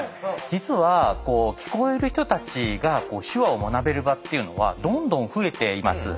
実は聞こえる人たちが手話を学べる場っていうのはどんどん増えています。